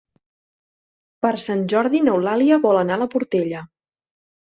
Per Sant Jordi n'Eulàlia vol anar a la Portella.